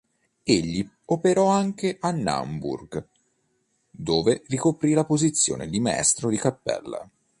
Egli operò anche a Naumburg, dove ricoprì la posizione di Maestro di Cappella.